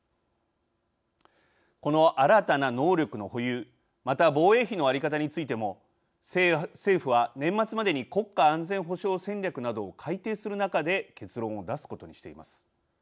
この新たな能力の保有また防衛費の在り方についても政府は年末までに国家安全保障戦略などを改定する中で結論を出すことにしています。